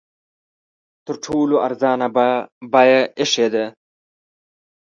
تر ټولو ارزانه بیه ایښې ده.